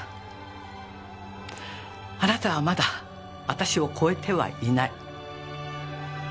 あなたはまだ私を超えてはいない。